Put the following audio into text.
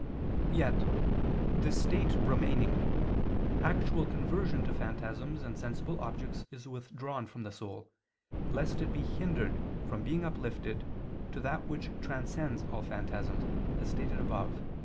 Yet, this state remaining, actual conversion to phantasms and sensible objects is withdrawn from the soul, lest it be hindered from being uplifted to that which transcends all phantasms, as stated above (A.